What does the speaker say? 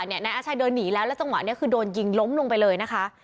นายอาชัยเดินหนีแล้วแล้วจังหวะนี้คือโดนยิงล้มลงไปเลยนะคะ